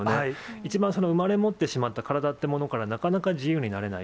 一番生まれ持ってしまったカラダというものからなかなか自由になれない。